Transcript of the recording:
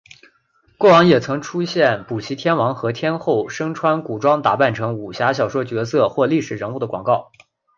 过往也曾出现补习天王和天后身穿古装打扮成武侠小说角色或历史人物的广告。